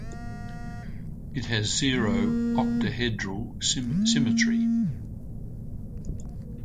It has O octahedral symmetry.